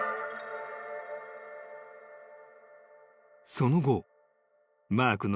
［その後マークの］